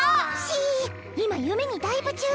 シーッ今夢にダイブ中！